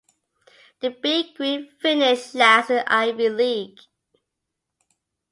The Big Green finished last in the Ivy League.